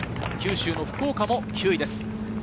九州の福岡も９位です。